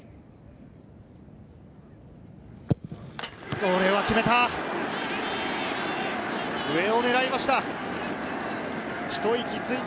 これは決めた！